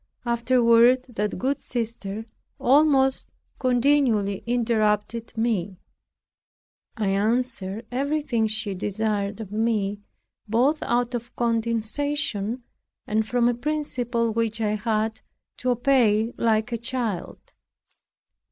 Afterward that good sister almost continually interrupted me; I answered everything she desired of me, both out of condescension, and from a principle which I had to obey like a child.